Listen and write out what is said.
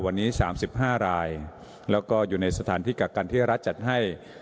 วันนี้๓๕รายแล้วก็อยู่ในสถานที่กักกันที่รัฐจัดให้